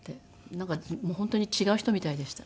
なんかもう本当に違う人みたいでした。